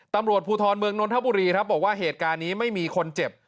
ตำรวจภูทรเมืองนนทบุรีครับบอกว่าเหตุการณ์นี้ไม่มีคนเจ็บ